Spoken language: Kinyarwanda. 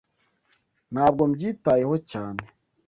Ntabwo mbyitayeho cyane